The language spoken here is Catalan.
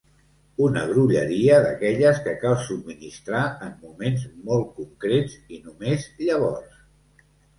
Una grolleria d'aquelles que cal subministrar en moments molt concrets, i només llavors.